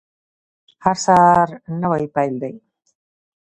هر سهار نوی پیل دی